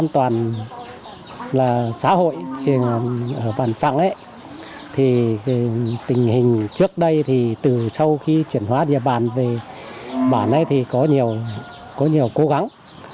thì tình hình trước đây thì từ sau khi chuyển hóa địa bàn về bản này thì có nhiều cố gắng